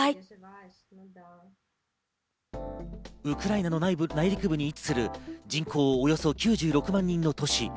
ウクライナの内陸部に位置する人口およそ９６万人の都市